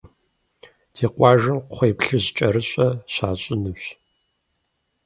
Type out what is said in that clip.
Ди къуажэм кхъуейплъыжькӏэрыщӏэ щащӏынущ.